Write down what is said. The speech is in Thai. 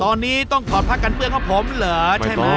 ตอนนี้ต้องถอดภาคการเมืองของผมเหรอใช่ไหม